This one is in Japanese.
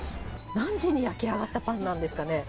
何時に焼き上がったパンなんですかね。